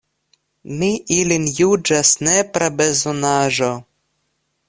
Mi ilin juĝas nepra bezonaĵo.